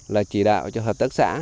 là chỉ đạo cho hợp tác xã